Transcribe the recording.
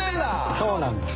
そうなんです。